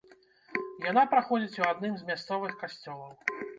Яна праходзіць у адным з мясцовых касцёлаў.